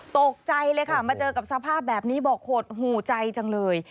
ตกใจเลยค่ะมาเจอกับสภาพแบบนี้บอกหดหูใจจังเลย